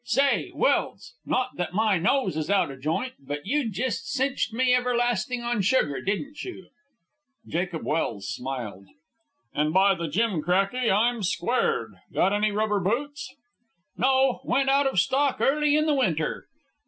Say, Welse, not that my nose is out of joint, but you jest cinched me everlastin' on sugar, didn't you?" Jacob Welse smiled. "And by the Jimcracky I'm squared! Got any rubber boots?" "No; went out of stock early in the winter."